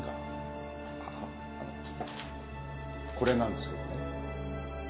あのこれなんですけどね。